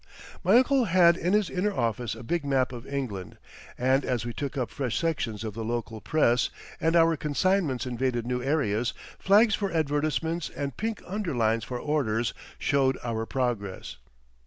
My uncle had in his inner office a big map of England, and as we took up fresh sections of the local press and our consignments invaded new areas, flags for advertisements and pink underlines for orders showed our progress.